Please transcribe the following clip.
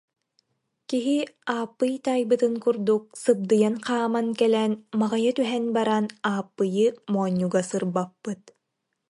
Киһи Ааппый таайбытын курдук, сыбдыйан хааман кэлэн маҕыйа түһэн баран Ааппыйы моонньуга сырбаппыт